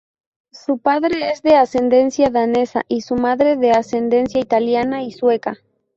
Su padre es de ascendencia danesa y su madre de ascendencia italiana y sueca.